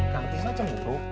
kang tisna cemuru